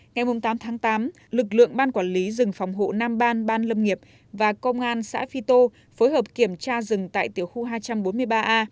ngày tám tháng tám lực lượng ban quản lý rừng phòng hộ nam ban ban lâm nghiệp và công an xã phi tô phối hợp kiểm tra rừng tại tiểu khu hai trăm bốn mươi ba a